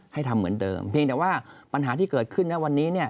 ทำเหมือนเดิมเพียงแต่ว่าปัญหาที่เกิดขึ้นนะวันนี้